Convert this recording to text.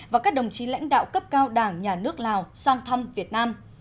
và các đồng chí lãnh đạo cấp cao đảng nhà nước lào sang thăm việt nam